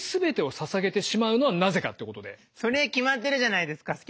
それ決まってるじゃないですか。